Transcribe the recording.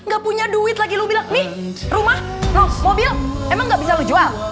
ga punya duit lagi lu bilang nih rumah noh mobil emang ga bisa lu jual kebetulan lu jual lu kasih diri aja